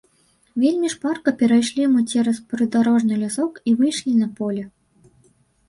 Вельмі шпарка перайшлі мы цераз прыдарожны лясок і выйшлі на поле.